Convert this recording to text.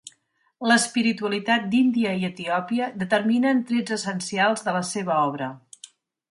L'espiritualitat d'Índia i Etiòpia determinen trets essencials de la seva obra.